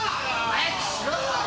早くしろよ！